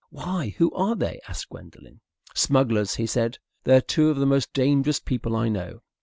"Why, who are they?" asked Gwendolen. "Smugglers," he said. "They're two of the most dangerous people I know.